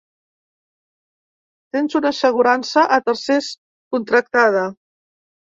Tens una assegurança a tercers contractada.